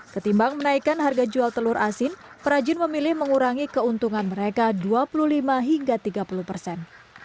ketimbang menaikkan harga jual telur asin perajin memilih mengurangi keuntungan mereka dua puluh lima hingga tiga puluh persen